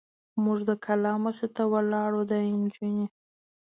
موږ د کلا مخې ته ولاړ و، دا نجونې.